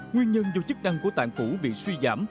nguyên nhân do chức năng của tạng phủ bị suy giảm